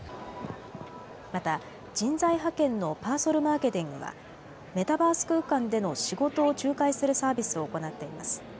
また人材派遣のパーソルマーケティングはメタバース空間での仕事を仲介するサービスを行っています。